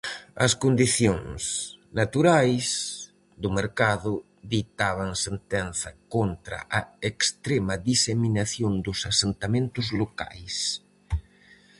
As condicións "naturais" do mercado ditaban sentenza contra a extrema diseminación dos asentamentos locais.